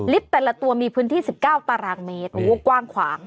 แต่ละตัวมีพื้นที่๑๙ตารางเมตรโอ้กว้างขวาง